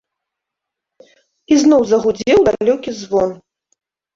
Ізноў загудзеў далёкі звон.